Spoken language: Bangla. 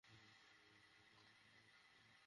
স্যার, ওরা সপ্তম তলায়।